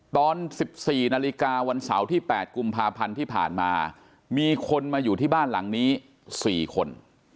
ตอน๑๔นาฬิกาวันเสาร์ที่๘กุมภาพันธ์ที่ผ่านมามีคนมาอยู่ที่บ้านหลังนี้๔คน